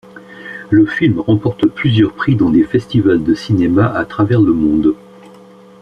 Le film remporte plusieurs prix dans des festivals de cinéma à travers le monde.